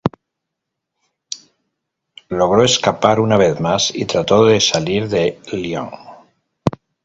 Logró escapar una vez más y trató de salir de Lyon.